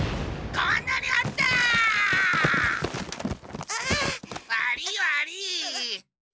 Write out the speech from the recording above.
悪い悪い！